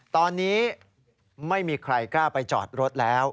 ตอนนี้ไม่มีใครกล้าไปจอดรถแล้ว